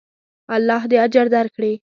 الله دې اجر درکړي.